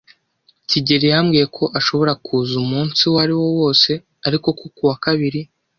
kigeli yambwiye ko ashobora kuza umunsi uwo ari wo wose ariko ku wa kabiri.